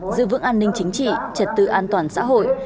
giữ vững an ninh chính trị trật tự an toàn xã hội